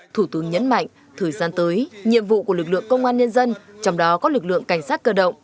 thủ tướng nhấn mạnh thời gian tới nhiệm vụ của lực lượng công an nhân dân trong đó có lực lượng cảnh sát cơ động